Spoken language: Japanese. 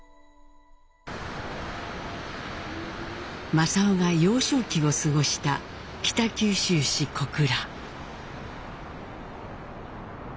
正雄が幼少期を過ごした北九州市小倉。